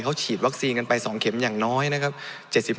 เขาฉีดวัคซีนกันไป๒เข็มอย่างน้อยนะครับ